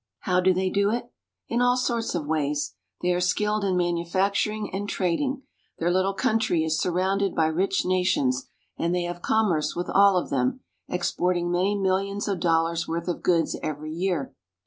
How do they do it? In all sorts of ways. They are skilled in manufacturing and trading. Their little country is surrounded by rich nations, and they have commerce with all of them, export ing many million dol lars' worth of goods every year.